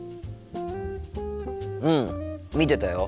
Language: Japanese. うん見てたよ。